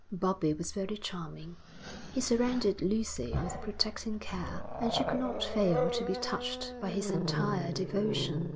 Bobbie was very charming. He surrounded Lucy with a protecting care, and she could not fail to be touched by his entire devotion.